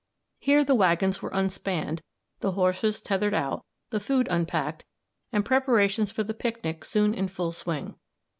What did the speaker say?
Here the waggons were unspanned, the horses tethered out, the food unpacked, and preparations for the picnic soon in full swing.